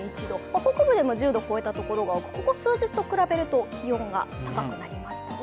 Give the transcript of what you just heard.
北部でも１０度を超えた所があってここ数日と比べると気温が高くなりましたね。